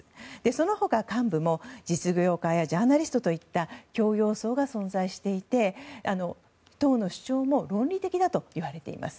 その他、幹部も実業家やジャーナリストといった教養層が存在していて党の主張も分離的だといわれています。